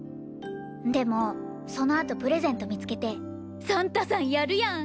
でもそのあとプレゼント見つけてサンタさんやるやん！